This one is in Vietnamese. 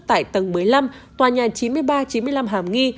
tại tầng một mươi năm tòa nhà chín mươi ba chín mươi năm hàm nghi